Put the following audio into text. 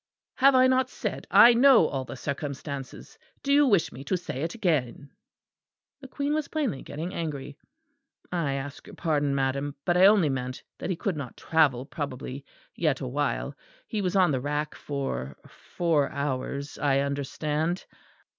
"Have I not said I know all the circumstances? Do you wish me to say it again?" The Queen was plainly getting angry. "I ask your pardon, madam; but I only meant that he could not travel probably, yet awhile. He was on the rack for four hours, I understand."